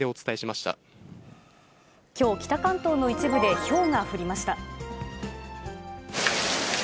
きょう、北関東の一部でひょうが降りました。